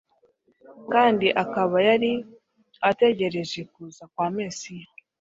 kandi akaba yari ategereje kuza kwa Mesiya,